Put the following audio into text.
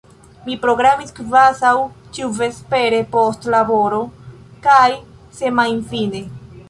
Mi programis kvazaŭ ĉiuvespere, post laboro, kaj semajnfine.